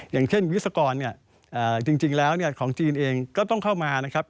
อย่างเช่นวิศากรจริงแล้วของจีนเองก็ต้องเข้ามา